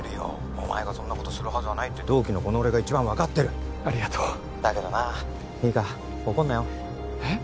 ☎お前がそんなことするはずはないって同期のこの俺が一番分かってるありがとうだけどないいか怒んなよえっ？